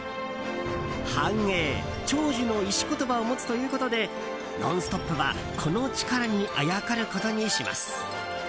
繁栄、長寿の石言葉を持つということで「ノンストップ！」はこの力にあやかることにします。